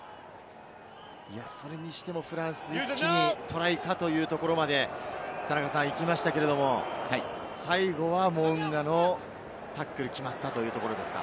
それにしてもフランス、一気にトライかというところまで行きましたけれども、最後はモウンガのタックル、決まったというところですか。